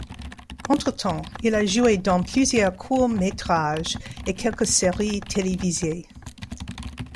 Entre-temps il a joué dans plusieurs courts métrages et quelques séries télévisées.